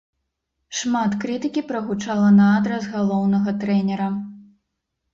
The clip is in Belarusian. Шмат крытыкі прагучала на адрас галоўнага трэнера.